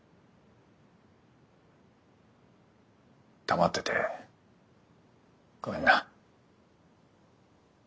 黙っててごめんな。